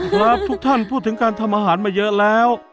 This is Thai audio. ครับทุกท่านพูดถึงการทำอาหารมาเยอะแล้ว